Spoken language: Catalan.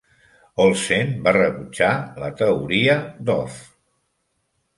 Olsen va rebutjar la teoria de Hof.